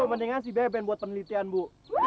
mendingan si beben buat penelitian bu